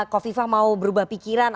kofifa mau berubah pikiran